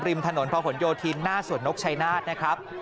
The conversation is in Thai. ริมถนนพะหนโยธินหน้าสวนนกชัยนาธนะครับ